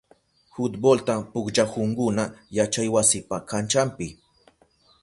Futbolta pukllahunkuna yachaywasipa kanchanpi.